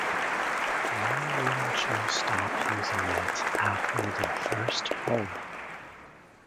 Why wouldn’t you stop using it after the first hole?